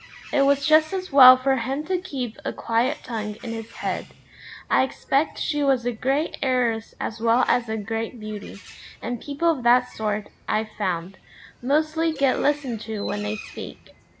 It was just as well for him to keep a quiet tongue in his head. I expect she was a great heiress as well as a great beauty, and people of that sort, I've found, mostly get listened to when they speak.